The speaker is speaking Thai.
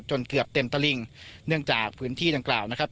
เกือบเต็มตะลิงเนื่องจากพื้นที่ดังกล่าวนะครับ